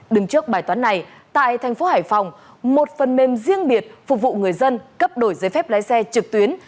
đứng trước bài toán này tại thành phố hải phòng một phần mềm riêng biệt phục vụ người dân cấp đổi giấy phép lái xe trực tuyến